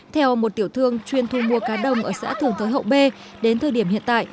theo một tiểu thương chuyên thu mua cá đồng ở xã thường thới hậu bê đến thời điểm hiện tại